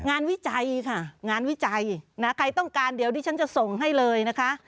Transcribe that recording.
วิจัยค่ะงานวิจัยนะใครต้องการเดี๋ยวดิฉันจะส่งให้เลยนะคะ